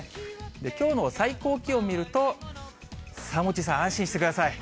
きょうの最高気温を見ると、さあ、モッチーさん、安心してください。